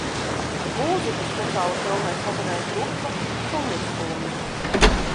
"Mūziku speciāli filmai sacerēja grupa "Suņa Stunda"."